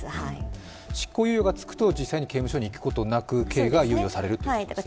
執行猶予がつくと、実際に刑務所に行くことなくということですね。